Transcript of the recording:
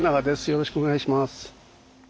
よろしくお願いします。